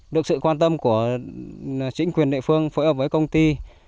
được sự quan tâm của chính quyền địa phương phối hợp với công ty